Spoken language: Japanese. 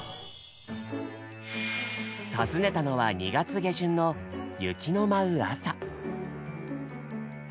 訪ねたのは２月下旬の雪の舞う朝。